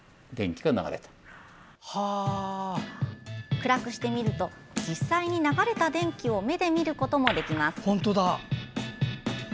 暗くしてみると実際に流れた電気を目で見ることもできます。